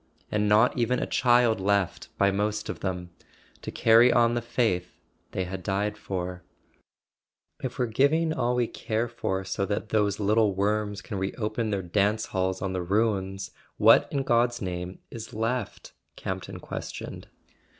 And not even a child left by most of them, to carry on the faith they had died for. ..[ 365 ] A SON AT THE FRONT "If we're giving all we care for so that those little worms can reopen their dance halls on the ruins, what in God's name is left?" Campton questioned.